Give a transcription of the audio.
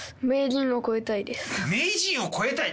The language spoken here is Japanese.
名人を超えたい？